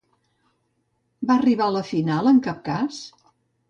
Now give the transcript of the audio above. Va arribar a la final en cap cas?